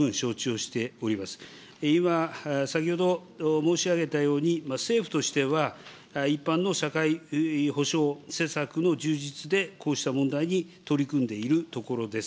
今、先ほど申し上げたように政府としては一般の社会保障施策の充実でこうした問題に取り組んでいるところです。